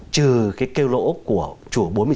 trừ cái kêu lỗ của chủ bốn mươi chín dự án